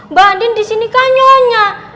mbak andin disini kanyonya